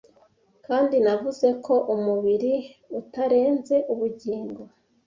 Kandi navuze ko umubiri utarenze ubugingo,